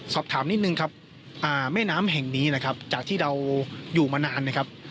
สอบถามนิดนึงครับแม่น้ำแห่งนี้นะครับจากที่เราอยู่มานานนะครับ